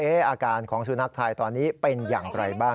อาการของสุนัขไทยตอนนี้เป็นอย่างไรบ้าง